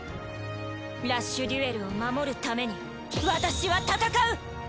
ラッシュデュエルを守るために私は戦う！